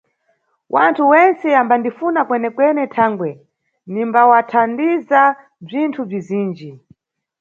Wanthu wentse ambandifuna kwenekwene thangwe nimbawathandiza bzinthu bzizinji.